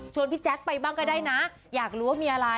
พี่แจ๊คไปบ้างก็ได้นะอยากรู้ว่ามีอะไร